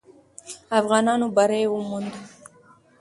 افغانانو بری وموند.